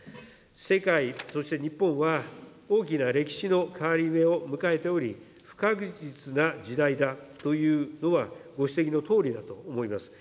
世界、そして日本は、大きな歴史の変わり目を迎えており、不確実な時代だというのはご指摘のとおりだと思います。